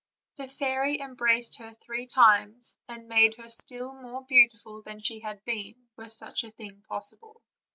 The fairy embraced her three times, and made her still more beautiful than she had been, were such a thing pos sible.